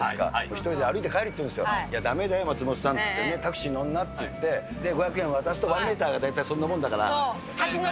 １人で歩いて帰るっていうんですよ、いや、だめだよ、松本さんって言って、タクシーに乗んなって言って、５００円渡すと、１メーターがそのくらいだから。